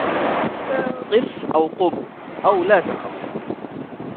قِفْ أَوْ قُمْ أَوْ لَا تَخَفْ